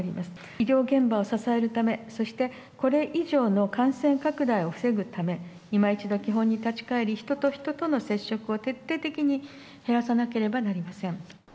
医療現場を支えるため、そしてこれ以上の感染拡大を防ぐため、いま一度基本に立ち返り、人と人との接触を徹底的に減らさなければなりません。